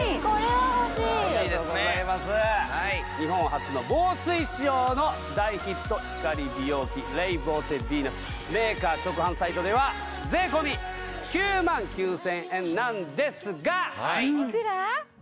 はいありがとうございます日本初の防水仕様の大ヒット光美容器レイボーテヴィーナスメーカー直販サイトでは税込９万９０００円なんですがはいいくら？